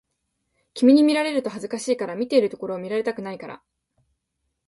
君に見られると恥ずかしいから、見ているところを見られたくないから